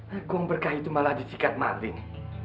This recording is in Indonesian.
gondong berkah itu malah dicikat maling